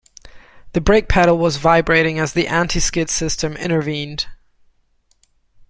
The brake pedal was vibrating as the anti-skid system intervened.